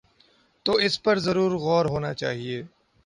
تو اس پر ضرور غور ہو نا چاہیے۔